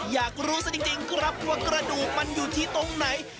อยากรู้ซะจริงครับว่ากระดูกมันอยู่ที่ตรงไหน